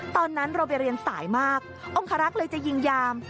ตอนนั้นเราไปเรียนสายมากองคารักษ์เลยจะยิงยาม